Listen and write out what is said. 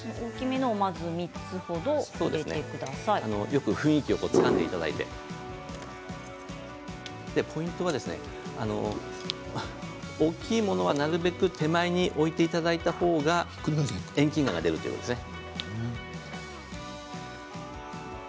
よく雰囲気をつかんでいただいてポイントは大きいものはなるべく手前に置いていただいたほうが遠近感が出るということですね。